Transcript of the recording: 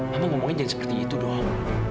mama ngomongin jangan seperti itu dong